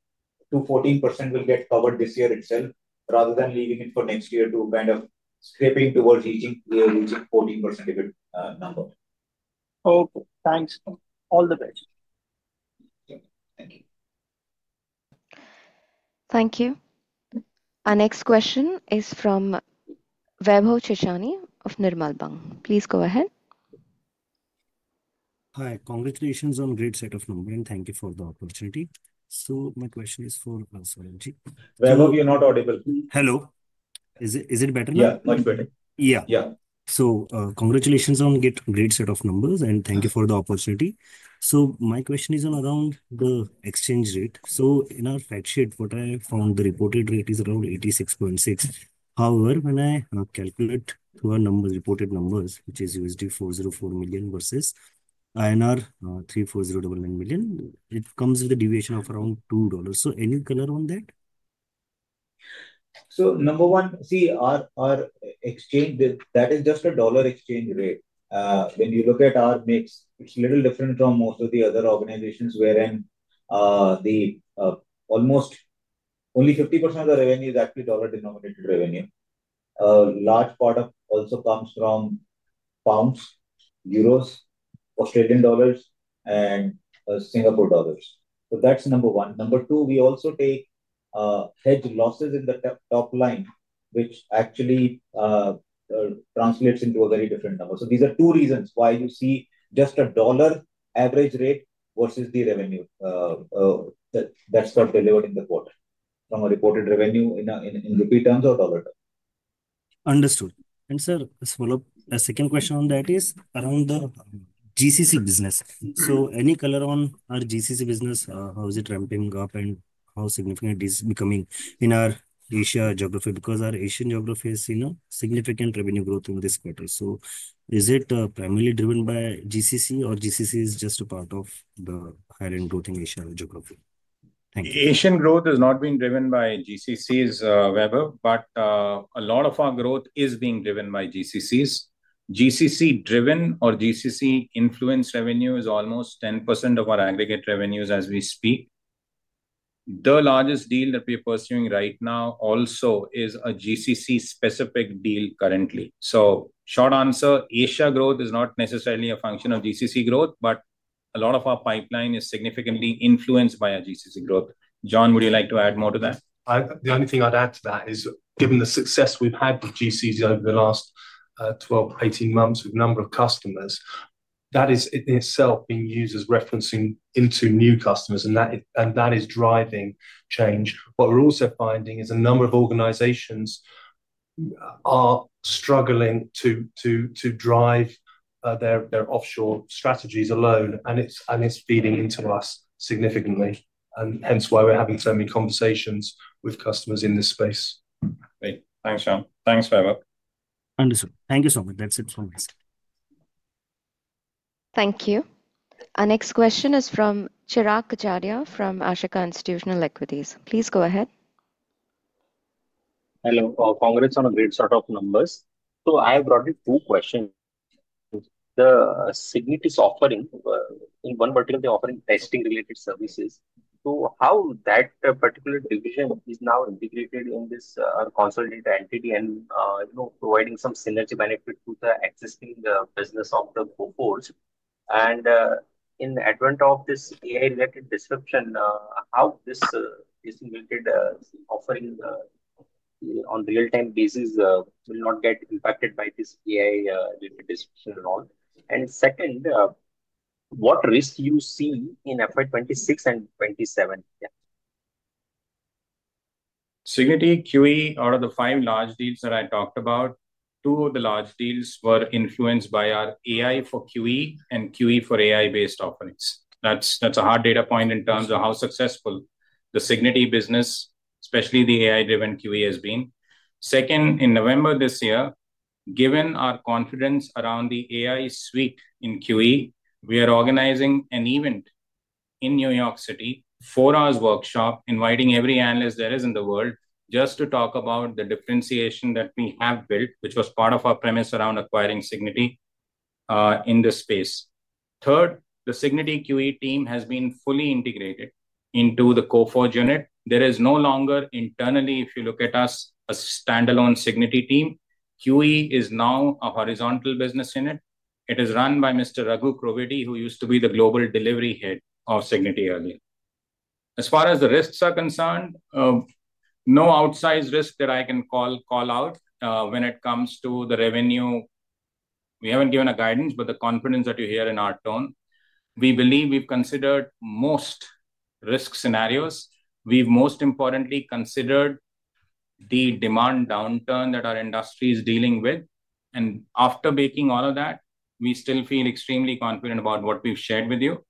to 14% will get covered this year itself rather than leaving it for next year to kind of scraping towards reaching 14% EBIT number. Okay. Thanks. All the best. Thank you. Thank you. Our next question is from Vaibhav Chechani of Nirmal Bang. Please go ahead. Hi. Congratulations on great set of numbers, and thank you for the opportunity. My question is for Saurabh ji. Vaibhav, you're not audible. Hello. Is it better now? Yeah. Much better. Yeah. Yeah. Congratulations on great set of numbers, and thank you for the opportunity. My question is around the exchange rate. In our fact sheet, what I found, the reported rate is around 86.6. However, when I calculate our reported numbers, which is $404 million versus INR 34,099 million, it comes with a deviation of around $2. Any color on that? Number one, see, our exchange, that is just a dollar exchange rate. When you look at our mix, it's a little different from most of the other organizations wherein almost only 50% of the revenue is actually dollar-denominated revenue. A large part also comes from pounds, euros, Australian dollars, and Singapore dollars. That's number one. Number two, we also take hedge losses in the top line, which actually translates into a very different number. These are two reasons why you see just a dollar average rate versus the revenue that's got delivered in the quarter from a reported revenue in rupee terms or dollar terms. Understood. Sir, Saurabh, a second question on that is around the GCC business. Any color on our GCC business, how is it ramping up, and how significant is it becoming in our Asia geography? Our Asian geography has significant revenue growth in this quarter. Is it primarily driven by GCC, or is GCC just a part of the higher-end growth in Asia geography? Thank you. Asian growth has not been driven by GCCs, Vaibhav, but a lot of our growth is being driven by GCCs. GCC-driven or GCC-influenced revenue is almost 10% of our aggregate revenues as we speak. The largest deal that we are pursuing right now also is a GCC-specific deal currently. Short answer, Asia growth is not necessarily a function of GCC growth, but a lot of our pipeline is significantly influenced by our GCC growth. John, would you like to add more to that? The only thing I'd add to that is, given the success we've had with GCC over the last 12, 18 months with a number of customers, that is in itself being used as referencing into new customers, and that is driving change. What we're also finding is a number of organizations are struggling to drive their offshore strategies alone, and it's feeding into us significantly, and hence why we're having so many conversations with customers in this space. Great. Thanks, John. Thanks, Vaibhav. Understood. Thank you, Saurabh. That's it from us. Thank you. Our next question is from Chirag Kachhadiya from Ashika Institutional Equities. Please go ahead. Hello. Congrats on a great set of numbers. I have brought you two questions. The Cignity is offering in one vertical, they're offering testing-related services. How that particular division is now integrated in this consolidated entity and providing some synergy benefit to the existing business of the Coforge? In the advent of this AI-related disruption, how this disability offering on real-time basis will not get impacted by this AI-related disruption at all? What risk do you see in FY 2026 and 2027? Cignity, QE, out of the five large deals that I talked about, two of the large deals were influenced by our AI for QE and QE for AI-based offerings. That's a hard data point in terms of how successful the Cignity business, especially the AI-driven QE, has been. Second, in November this year, given our confidence around the AI suite in QE, we are organizing an event in New York City, a four-hour workshop, inviting every analyst there is in the world just to talk about the differentiation that we have built, which was part of our premise around acquiring Cignity in this space. Third, the Cignity QE team has been fully integrated into the Coforge unit. There is no longer internally, if you look at us, a standalone Cignity team. QE is now a horizontal business unit. It is run by Mr. Raghu Krovvidi, who used to be the global delivery head of Cignity earlier. As far as the risks are concerned, no outsized risk that I can call out when it comes to the revenue. We have not given a guidance, but the confidence that you hear in our tone, we believe we have considered most risk scenarios. We have most importantly considered the demand downturn that our industry is dealing with. After baking all of that, we still feel extremely confident about what we have shared with you.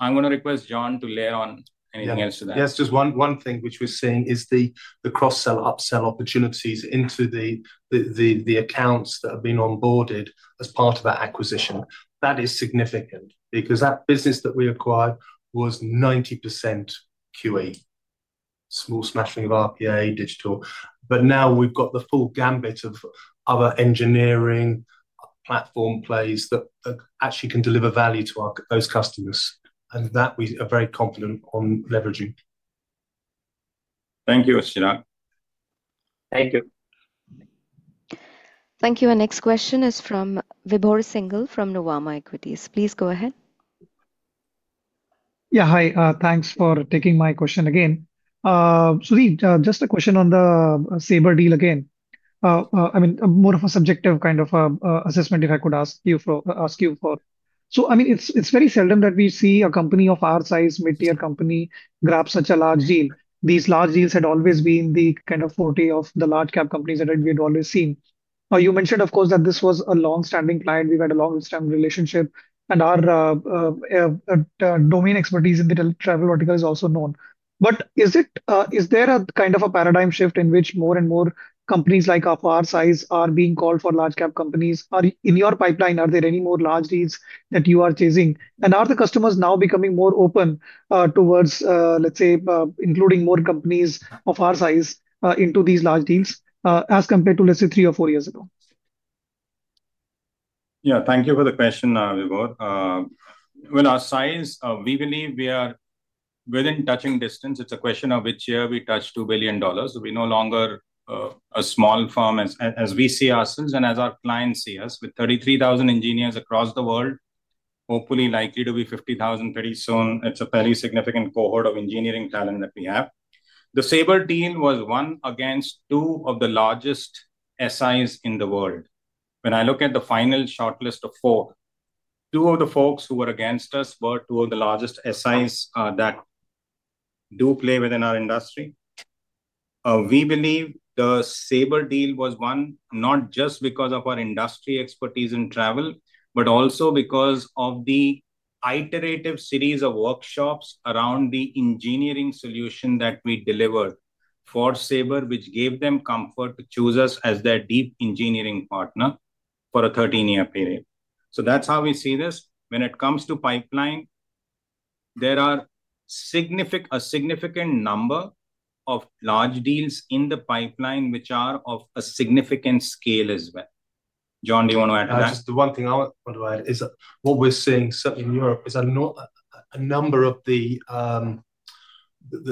I am going to request John to layer on anything else to that. Yes. Just one thing which we're seeing is the cross-sell upsell opportunities into the accounts that have been onboarded as part of that acquisition. That is significant because that business that we acquired was 90% QE, small smattering of RPA, digital. Now we've got the full gambit of other engineering platform plays that actually can deliver value to those customers, and that we are very confident on leveraging. Thank you, Chiragh. Thank you. Thank you. Our next question is from Vibhor Singhal from Nirmal Bang Equities. Please go ahead. Yeah. Hi. Thanks for taking my question again. Sudhir, just a question on the Sabre deal again. I mean, more of a subjective kind of assessment if I could ask you for. I mean, it's very seldom that we see a company of our size, mid-tier company, grab such a large deal. These large deals had always been the kind of forte of the large-cap companies that we had always seen. You mentioned, of course, that this was a long-standing client. We've had a long-standing relationship, and our domain expertise in the travel vertical is also known. Is there a kind of a paradigm shift in which more and more companies like our size are being called for large-cap companies? In your pipeline, are there any more large deals that you are chasing? Are the customers now becoming more open towards, let's say, including more companies of our size into these large deals as compared to, let's say, three or four years ago? Yeah. Thank you for the question, Vibhor. When our size, we believe we are within touching distance. It's a question of which year we touch $2 billion. So we're no longer a small firm as we see ourselves and as our clients see us with 33,000 engineers across the world, hopefully likely to be 50,000 pretty soon. It's a very significant cohort of engineering talent that we have. The Sabre deal was one against two of the largest SIs in the world. When I look at the final shortlist of four, two of the folks who were against us were two of the largest SIs that do play within our industry. We believe the Sabre deal was won not just because of our industry expertise in travel, but also because of the iterative series of workshops around the engineering solution that we delivered for Sabre, which gave them comfort to choose us as their deep engineering partner for a 13-year period. That is how we see this. When it comes to pipeline, there are a significant number of large deals in the pipeline which are of a significant scale as well. John, do you want to add to that? Just the one thing I want to add is what we're seeing certainly in Europe is a number of the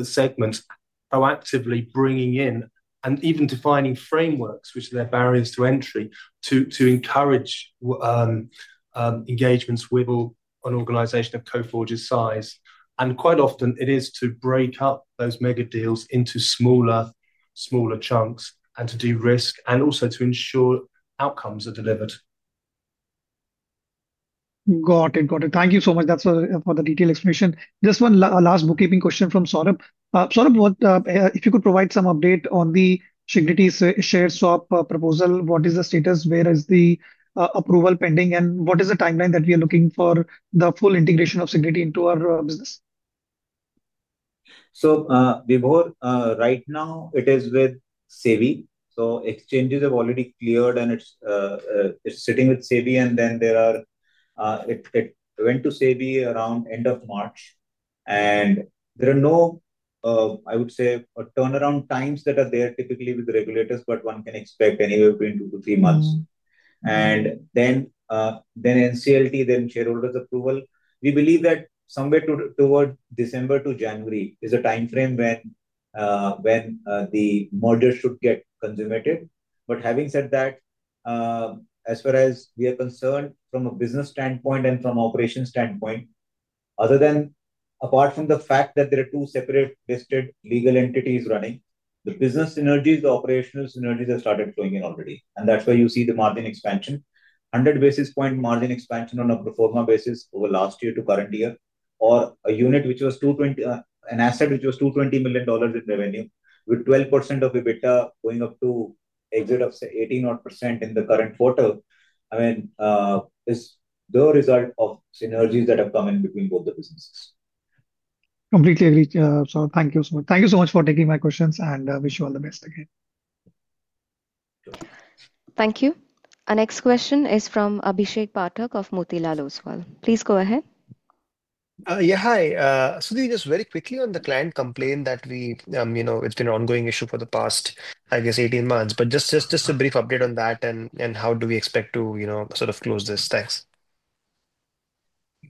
segments proactively bringing in and even defining frameworks, which are their barriers to entry, to encourage engagements with an organization of Coforge's size. Quite often, it is to break up those mega deals into smaller chunks and to de-risk and also to ensure outcomes are delivered. Got it. Got it. Thank you so much for the detailed explanation. Just one last bookkeeping question from Saurabh. Saurabh, if you could provide some update on the Cignity's share swap proposal, what is the status? Where is the approval pending? What is the timeline that we are looking for the full integration of Cignity into our business? Vibhor, right now, it is with SEBI. Exchanges have already cleared, and it is sitting with SEBI. It went to SEBI around the end of March. There are no, I would say, turnaround times that are there typically with the regulators, but one can expect anywhere between two to three months. Then NCLT, then shareholders' approval. We believe that somewhere toward December to January is a time frame when the merger should get consummated. Having said that, as far as we are concerned from a business standpoint and from an operations standpoint, apart from the fact that there are two separate listed legal entities running, the business synergies, the operational synergies have started flowing in already. That is where you see the margin expansion, 100 basis point margin expansion on a proforma basis over last year to current year, or an asset which was $220 million in revenue with 12% of EBITDA going up to exit of 18% in the current quarter. I mean, it is the result of synergies that have come in between both the businesses. Completely agree. Thank you so much. Thank you so much for taking my questions, and I wish you all the best again. Thank you. Our next question is from Abhishek Pathak of Motilal Oswal. Please go ahead. Yeah. Hi. Sudhir, just very quickly on the client complaint that it's been an ongoing issue for the past, I guess, 18 months. Just a brief update on that and how do we expect to sort of close this. Thanks.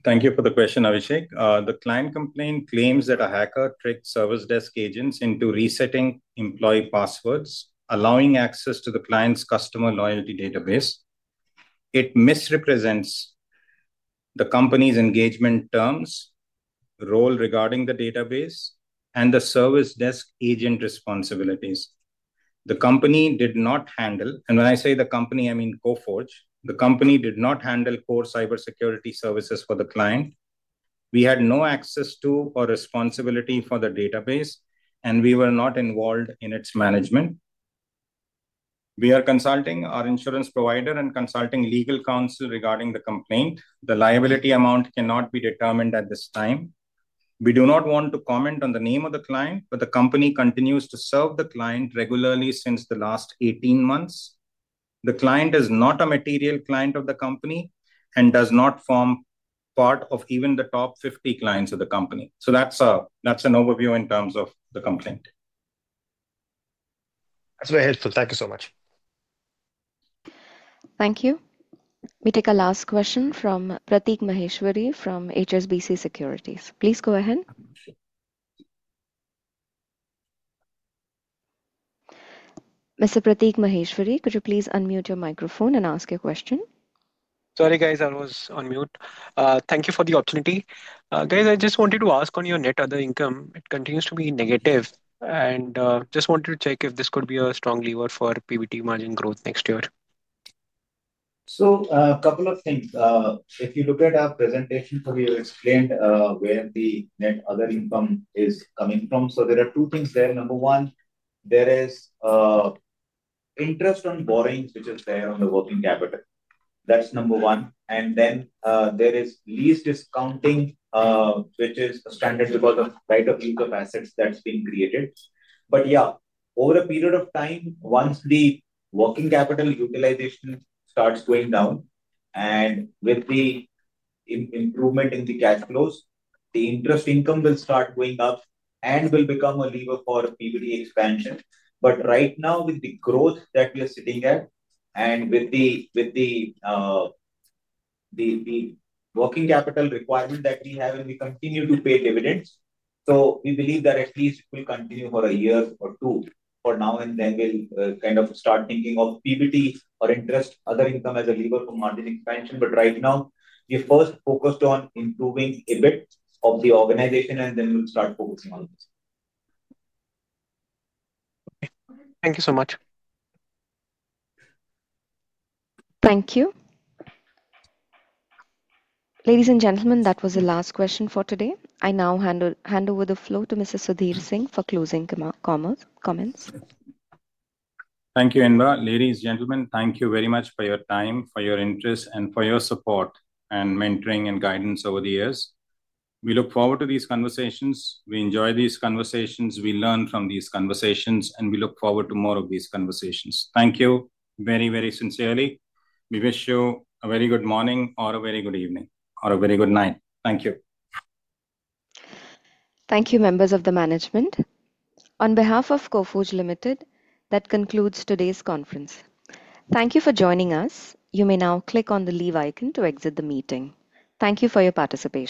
Thank you for the question, Abhishek. The client complaint claims that a hacker tricked service desk agents into resetting employee passwords, allowing access to the client's customer loyalty database. It misrepresents the company's engagement terms, role regarding the database, and the service desk agent responsibilities. The company did not handle—and when I say the company, I mean Coforge—the company did not handle core cybersecurity services for the client. We had no access to or responsibility for the database, and we were not involved in its management. We are consulting our insurance provider and consulting legal counsel regarding the complaint. The liability amount cannot be determined at this time. We do not want to comment on the name of the client, but the company continues to serve the client regularly since the last 18 months. The client is not a material client of the company and does not form part of even the top 50 clients of the company. That is an overview in terms of the complaint. That's very helpful. Thank you so much. Thank you. We take a last question from Pratik Maheshwari from HSBC Securities. Please go ahead. Mr. Pratik Maheshwari, could you please unmute your microphone and ask your question? Sorry, guys. I was on mute. Thank you for the opportunity. Guys, I just wanted to ask on your net other income. It continues to be negative, and I just wanted to check if this could be a strong lever for PBT margin growth next year. A couple of things. If you look at our presentation, we have explained where the net other income is coming from. There are two things there. Number one, there is interest on borrowing, which is there on the working capital. That's number one. Then there is lease discounting, which is a standard because of the right of use of assets that's being created. Over a period of time, once the working capital utilization starts going down and with the improvement in the cash flows, the interest income will start going up and will become a lever for PBT expansion. Right now, with the growth that we are sitting at and with the working capital requirement that we have and we continue to pay dividends, we believe that at least it will continue for a year or two. For now, and then we'll kind of start thinking of PBT or interest other income as a lever for margin expansion. Right now, we're first focused on improving a bit of the organization, and then we'll start focusing on this. Thank you so much. Thank you. Ladies and gentlemen, that was the last question for today. I now hand over the floor to Mr. Sudhir Singh for closing comments. Thank you, Indra. Ladies and gentlemen, thank you very much for your time, for your interest, and for your support and mentoring and guidance over the years. We look forward to these conversations. We enjoy these conversations. We learn from these conversations, and we look forward to more of these conversations. Thank you very, very sincerely. We wish you a very good morning or a very good evening or a very good night. Thank you. Thank you, members of the management. On behalf of Coforge Limited, that concludes today's conference. Thank you for joining us. You may now click on the leave icon to exit the meeting. Thank you for your participation.